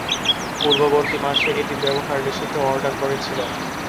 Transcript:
পূর্ববর্তী মাসে এটির ব্যবহার নিষিদ্ধ অর্ডার করে ছিল।